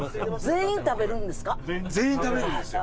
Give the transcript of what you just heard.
全員食べるんですよ。